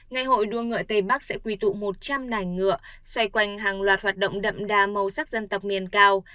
ngày hội đua ngựa tây bắc sẽ quy tụ một trăm linh đài ngựa xoay quanh hàng loạt hoạt động đậm đà màu sắc dân tộc miền cao